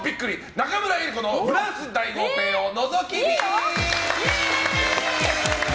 中村江里子のフランス大豪邸をのぞき見！